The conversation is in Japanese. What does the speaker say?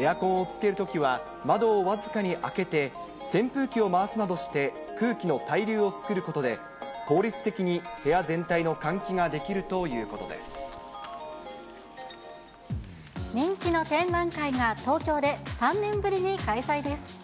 エアコンをつけるときは窓を僅かに開けて、扇風機を回すなどして、空気の対流を作ることで、効率的に部屋全体の換気ができるという人気の展覧会が東京で３年ぶりに開催です。